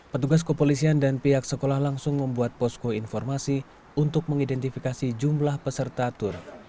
petugas kepolisian dan pihak sekolah langsung membuat posko informasi untuk mengidentifikasi jumlah peserta tur